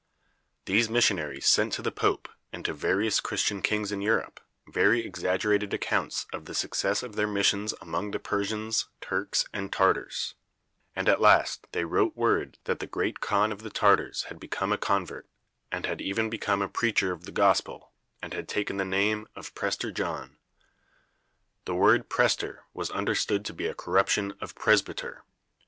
These missionaries sent to the Pope, and to various Christian kings in Europe, very exaggerated accounts of the success of their missions among the Persians, Turks, and Tartars; and at last they wrote word that the great Khan of the Tartars had become a convert, and had even become a preacher of the Gospel, and had taken the name of Prester John. The word prester was understood to be a corruption of presbyter.